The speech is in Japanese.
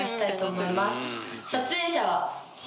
撮影者は。